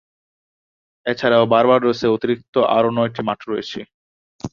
এছাড়াও, বার্বাডোসে অতিরিক্ত আরও নয়টি মাঠ রয়েছে।